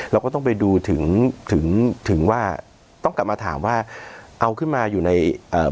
เราก็ต้องไปดูถึงถึงว่าต้องกลับมาถามว่าเอาขึ้นมาอยู่ในเอ่อ